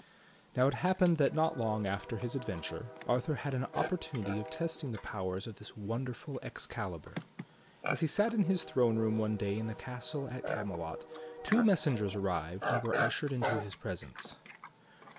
Now it happened that not long after his adventure Arthur had an opportunity of testing the powers of this wonderful Excalibur. As he sat in his throne room one day in his castle at Camelot two messengers arrived and were ushered into his presence.